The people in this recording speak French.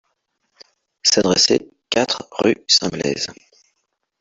S'adresser quatre, rue St-Blaise.